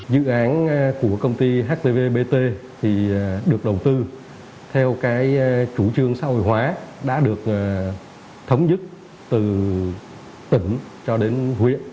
dự án của công ty htv bt được đầu tư theo cái chủ trương xã hội hóa đã được thống nhất từ tỉnh cho đến huyện